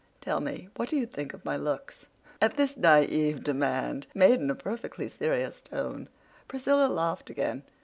Tell me, what do you think of my looks?" At this naive demand, made in a perfectly serious tone, Priscilla laughed again.